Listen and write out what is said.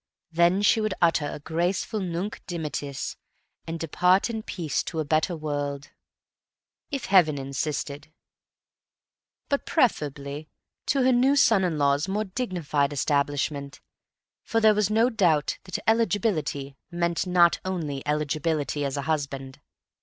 then she would utter a grateful Nunc dimittis and depart in peace—to a better world, if Heaven insisted, but preferably to her new son in law's more dignified establishment. For there was no doubt that eligibility meant not only eligibility as a husband.